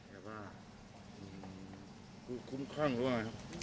ยาบ้าคุ้มข้างหรือเปล่าครับ